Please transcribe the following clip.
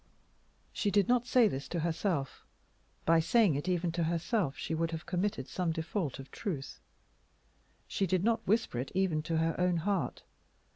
She did not say this to herself. By saying it even to herself she would have committed some default of truth. She did not whisper it even to her own heart.